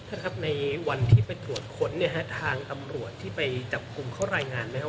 ครับในวันที่ไปตรวจค้นเนี่ยฮะทางตำรวจที่ไปจับกลุ่มเขารายงานไหมครับ